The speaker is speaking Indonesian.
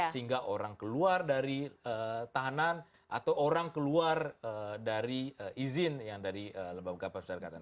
sehingga orang keluar dari tahanan atau orang keluar dari izin yang dari lembaga pemasyarakatan